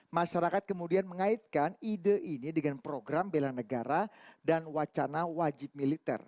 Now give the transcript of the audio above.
masyarakat kemudian mengaitkan ide ini dengan program bela negara dan wacana wajib militer